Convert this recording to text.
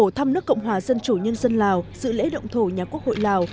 trong thăm nước cộng hòa dân chủ nhân dân lào sự lễ động thổ nhà quốc hội lào